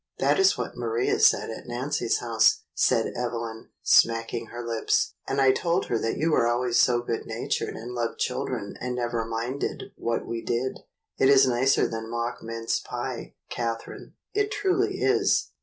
"That is what Maria said at Nancy's house," said Evelyn, smacking her lips, "and I told her that you were always so good natured and loved children and never minded what we did. It is nicer than mock mince pie, Catherine, it truly is.